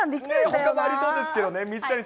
本当にありそうですけどね。